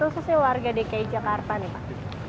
khususnya warga dki jakarta nih pak